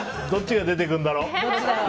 どっちが出てくるんだろう。